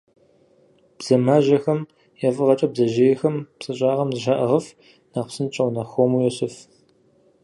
Бдзэмажьэхэм я фӏыгъэкӏэ бдзэжьейхэм псы щӏагъым зыщаӏыгъыф, нэхъ псынщӏэу, нэхъ хуэму йосыф.